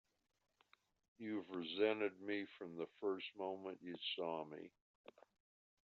You've resented me from the first moment you saw me!